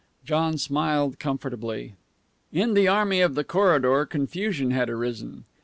John smiled comfortably. In the army of the corridor confusion had arisen.